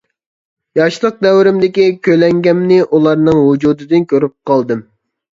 ياشلىق دەۋرىمدىكى كۆلەڭگەمنى ئۇلارنىڭ ۋۇجۇدىدىن كۆرۈپ قالدىم.